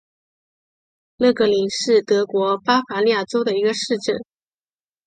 勒格灵是德国巴伐利亚州的一个市镇。